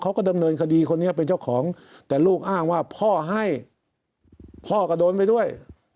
คดีคนนี้เป็นเจ้าของแต่ลูกอ้างว่าพ่อให้พ่อกระโดนไปด้วย